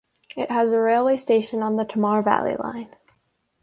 It has a railway station on the Tamar Valley Line.